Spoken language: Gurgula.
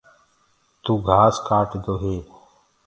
تو گھاس ڪآٽدو هي۔